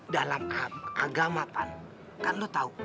dalam agamatan kan lo tau